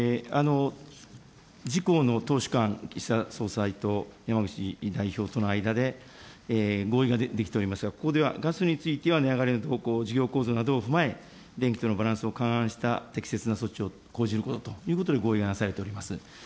自公の党首間、岸田総裁と山口代表との間で合意ができておりますが、ここではガスについては値上がりの動向を、事業構造などを踏まえ、電気とのバランスを勘案した適切な措置を講じることということで、合意がなされております。